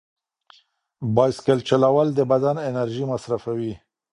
بایسکل چلول د بدن انرژي مصرفوي.